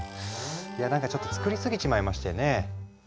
いや何かちょっと作りすぎちまいましてね。